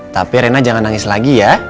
tapi rena jangan nangis lagi ya